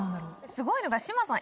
すごいのが志麻さん